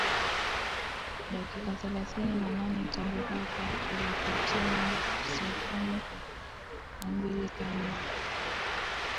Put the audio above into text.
dakika thelathini na nane tangu hapa ilipotimu saa kumi na mbili kamili